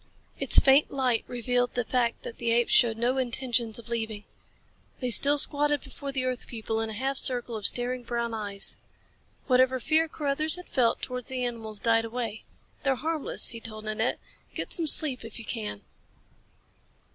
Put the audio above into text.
Its faint light revealed the fact that the apes showed no intentions of leaving. They still squatted before the earth people, in a half circle of staring brown eyes. Whatever fear Carruthers had felt towards the animals died away. "They're harmless," he told Nanette. "Get some sleep if you can."